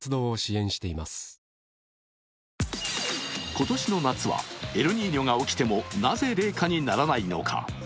今年の夏はエルニーニョが起きてもなぜ冷夏にならないのか。